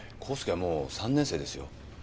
宏輔はもう３年生ですよ。